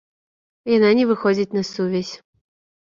Яна не выходзіць на сувязь.